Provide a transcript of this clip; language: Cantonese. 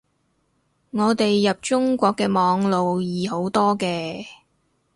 我哋入中國嘅網絡易好多嘅